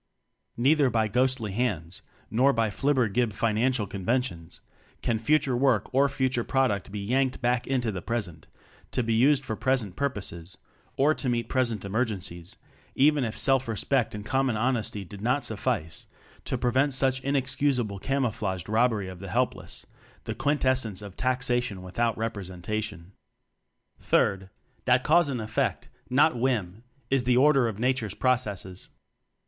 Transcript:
Neither by ghostly hands nor by flibber gib financial conventions can future work or future product be yanked back into the present, to be used for present purposes, or to meet 24 TECHNOCRACY present emergencies even if self re spect and common honesty did not suf fice to prevent such inexcusable cam ouflaged robbery of the helpless, the quintessence of "taxation without rep resentation." Third: That cause and effect, not whim, is the order of Nature's pro cesses.